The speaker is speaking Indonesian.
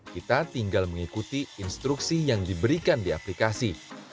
kita tinggal mengikuti instruksi yang diberikan di aplikasi